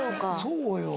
そうよ。